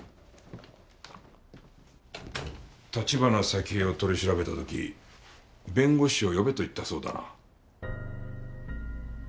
橘沙希江を取り調べた時弁護士を呼べと言ったそうだな？